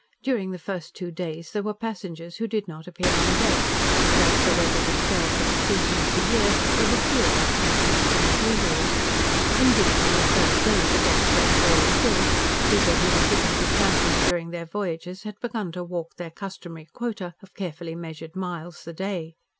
During the first two days there were passengers who did not appear on deck, but as the weather was fair for the season of the year, there were fewer absentees than is usual. Indeed, on the third day the deck chairs were all filled, people who were given to tramping during their voyages had begun to walk their customary quota of carefully measured miles the day.